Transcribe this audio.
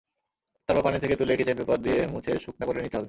তারপর পানি থেকে তুলে কিচেন পেপার দিয়ে মুছে শুকনা করে নিতে হবে।